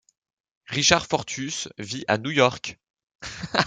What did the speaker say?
Richard Fortus vit à New-York.